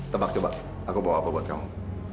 tebak coba aku bawa apa buat kamu